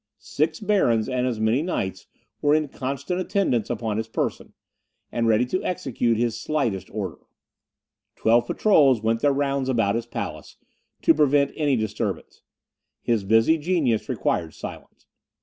Six barons and as many knights, were in constant attendance about his person, and ready to execute his slightest order. Twelve patrols went their rounds about his palace, to prevent any disturbance. His busy genius required silence.